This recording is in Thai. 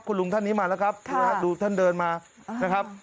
คุณลุงท่านนี้มาแล้วครับดูท่านเดินมานะครับ